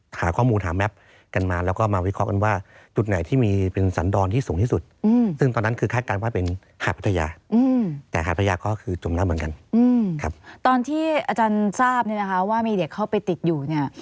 ตอนที่อาจารย์ทราบว่ามีเด็กเข้าไปติดอยู่